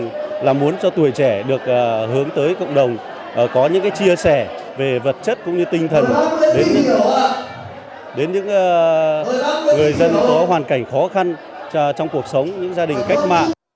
chúng tôi là muốn cho tuổi trẻ được hướng tới cộng đồng có những chia sẻ về vật chất cũng như tinh thần đến những người dân có hoàn cảnh khó khăn trong cuộc sống những gia đình cách mạng